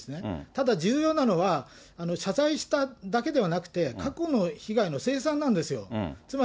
ただ重要なのは、謝罪しただけではなくて、過去の被害の清算なんですよ。